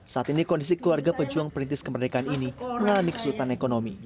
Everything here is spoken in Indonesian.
saat ini kondisi keluarga pejuang perintis kemerdekaan ini mengalami kesulitan ekonomi